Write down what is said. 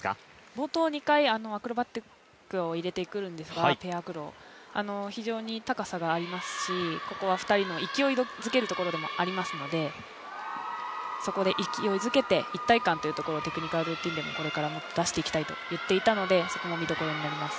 冒頭２回、アクロバティックを入れてくるんですが、非常に高さがありますし、ここは２人の勢いづけるところでもありますので、そこで勢いづけて、一体感をテクニカルルーティンでもこれから出していきたいと言っていたのでそこも見どころになります。